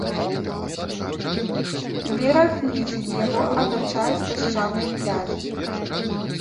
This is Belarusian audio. Бераг нізкі, яго атачаюць пясчаныя пляжы.